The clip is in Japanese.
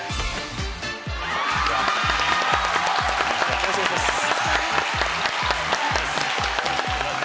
よろしくお願いします。